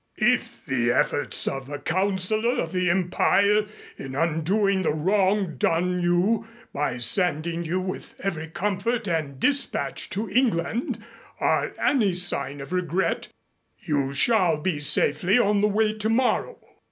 If the efforts of a councilor of the Empire in undoing the wrong done you, by sending you with every comfort and dispatch to England, are any sign of regret, you shall be safely on the way tomorrow.